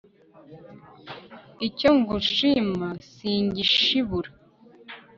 icyo ngushima singishibura